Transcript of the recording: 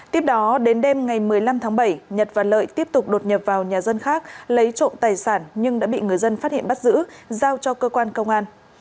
tiếp đó đến đêm ngày một mươi năm tháng bảy nhật và lợi tiếp tục đột nhập vào nhà dân khác lấy trộm tài sản nhưng đã bị người dân phát hiện bắt giữ giao cho cơ quan công an